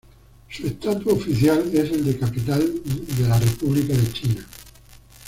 Su estatus oficial es el de capital de la República de China.